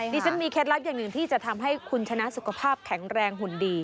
ดิฉันมีเคล็ดลับอย่างหนึ่งที่จะทำให้คุณชนะสุขภาพแข็งแรงหุ่นดี